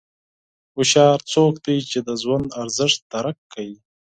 هوښیار څوک دی چې د ژوند ارزښت درک کوي.